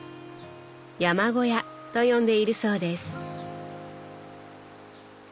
「山小屋」と呼んでいるそうです。